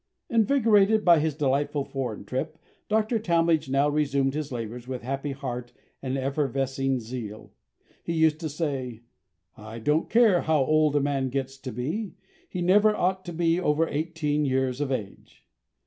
Invigorated by his delightful foreign trip, Dr. Talmage now resumed his labours with happy heart and effervescing zeal. He used to say: "I don't care how old a man gets to be, he never ought to be over eighteen years of age."